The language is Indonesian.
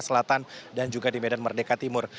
selatan dan juga di medan merdeka timur